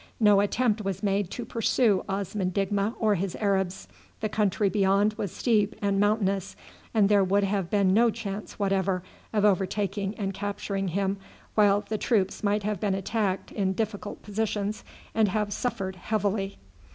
No attempt was made to pursue Osman Digma or his Arabs. The country beyond was steep and mountainous, and there would have been no chance whatever of overtaking and capturing him, while the troops might have been attacked in difficult positions and have suffered heavily.